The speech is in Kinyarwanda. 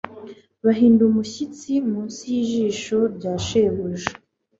Bahinda umushyitsi munsi yijisho rya shebuja